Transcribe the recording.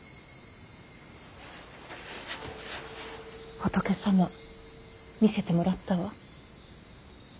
仏様見せてもらったわ。